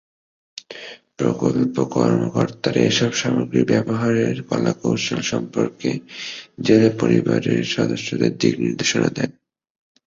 প্রকল্প কর্মকর্তারা এসব সামগ্রী ব্যবহারের কলাকৌশল সম্পর্কে জেলে পরিবারের সদস্যদের দিক-নির্দেশনা দেন।